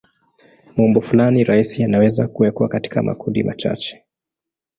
Maumbo fulani rahisi yanaweza kuwekwa katika makundi machache.